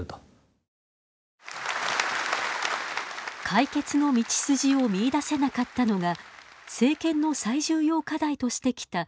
解決の道筋を見いだせなかったのが政権の最重要課題としてきた